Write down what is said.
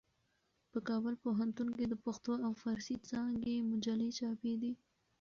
په کابل پوهنتون کې د پښتو او فارسي څانګې مجلې چاپېدې.